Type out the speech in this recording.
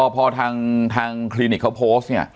พอทางคลินิกเขาโพสต์เนี่ย